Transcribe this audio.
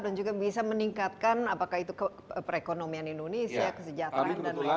dan juga bisa meningkatkan apakah itu perekonomian indonesia kesejahteraan dan lain sebagainya